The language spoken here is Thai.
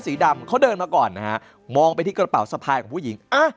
สีดำเขาเดินมาก่อนนะฮะมองไปที่กระเป๋าสะพายของผู้หญิง